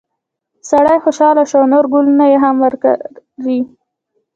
سړی خوشحاله شو او نور ګلونه یې هم وکري.